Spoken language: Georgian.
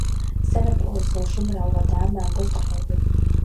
სანაპირო ზოლში მრავლადაა მანგოს ტყეები.